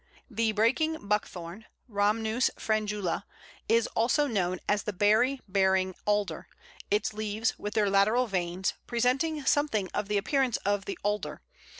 ] The Breaking Buckthorn (Rhamnus frangula) is also known as the Berry bearing Alder, its leaves, with their lateral veins, presenting something of the appearance of the Alder.